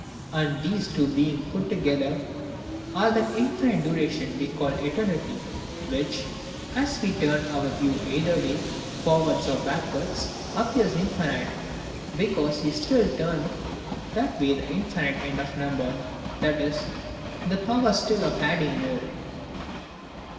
And these two being put together, are that infinite duration we call ETERNITY which, as we turn our view either way, forwards or backward appears infinite, because we still turn that way the infinite end of number, i.e. the power still of adding more.